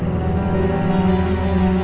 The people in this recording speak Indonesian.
kebanyakan mereka disini saja